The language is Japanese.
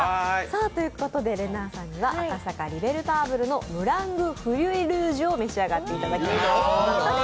ということで、れなぁさんには赤坂・リベルターブルのムラングフリュイルージュを召し上がっていただきます。